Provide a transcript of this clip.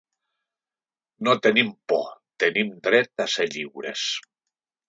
No tenim por, tenim dret a ser lliures.